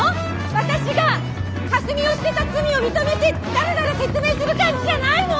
私がかすみを捨てた罪を認めてだらだら説明する感じじゃないの？